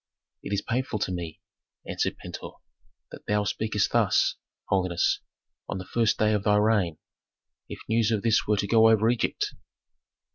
"It is painful to me," answered Pentuer, "that thou speakest thus, holiness, on the first day of thy reign. If news of this were to go over Egypt!"